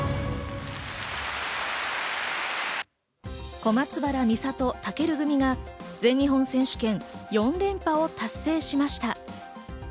小松原美里・尊組が全日本選手権４連覇を達成しました。